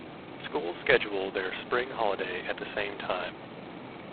Schools schedule their spring holiday at the same time.